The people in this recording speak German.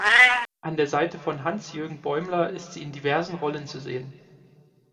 An der Seite von Hans-Jürgen Bäumler ist sie in diversen Rollen zu sehen.